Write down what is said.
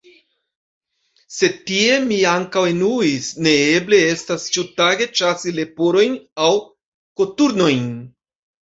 Sed tie mi ankaŭ enuis: ne eble estas ĉiutage ĉasi leporojn aŭ koturnojn!